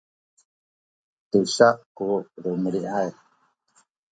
tusa ku lumeni’ay